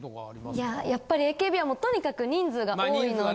いややっぱりＡＫＢはとにかく人数が多いので。